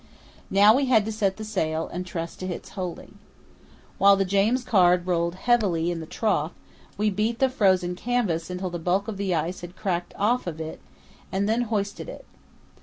Now we had to set the sail and trust to its holding. While the James Caird rolled heavily in the trough, we beat the frozen canvas until the bulk of the ice had cracked off it and then hoisted it.